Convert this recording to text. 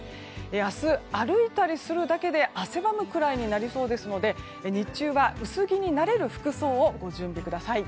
明日、歩いたりするだけで汗ばむくらいになりそうですので日中は薄着になれる服装をご準備ください。